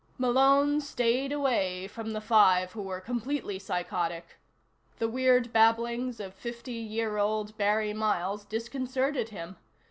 Malone stayed away from the five who were completely psychotic. The weird babblings of fifty year old Barry Miles disconcerted him.